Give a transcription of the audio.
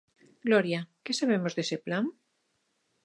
Gloria, que sabemos dese plan?